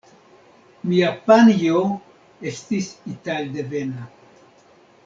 Mia panjo estis italdevena.